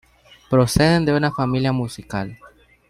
Proceden de una familia musical.